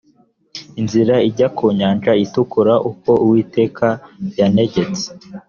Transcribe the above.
nzira ijya ku nyanja itukura uko uwiteka yantegetse